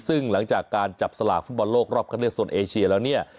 ซึ่งหลังจากการจับสลากฟุตบอลโลกรอบคันเลือกโซนเอเชียแล้วเนี่ย